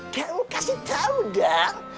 kem kasih tau gang